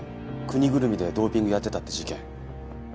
国ぐるみでドーピングやってたって事件。